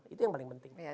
itu yang paling penting